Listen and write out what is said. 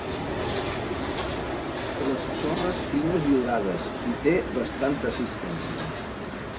Les sorres fines i orades i té bastant assistència.